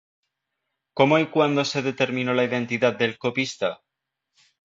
¿Cómo y cuándo se determinó la identidad del copista?